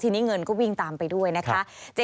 ทีนี้เงินก็วิ่งตามไปด้วยนะคะ